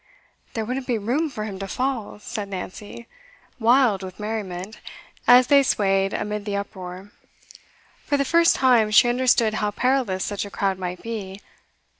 'There wouldn't be room for him to fall,' said Nancy, wild with merriment, as they swayed amid the uproar. For the first time she understood how perilous such a crowd might be.